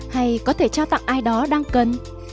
hay có thể trao tặng ai đó đang cần